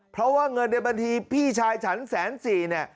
เพราะว่าเงินในบัญชีพี่ชายฉันแสนสี่เนี่ย